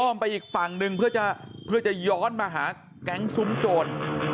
ไปอีกฝั่งหนึ่งเพื่อจะย้อนมาหาแก๊งซุ้มโจร